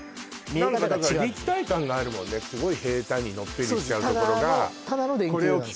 何かだから立体感があるもんねすごい平坦にのっぺりしちゃうところがそうです